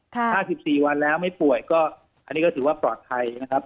ถ้า๑๔วันแล้วไม่ป่วยก็อันนี้ก็ถือว่าปลอดภัยนะครับ